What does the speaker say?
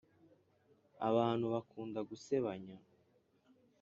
abantu bakunda gusebanya,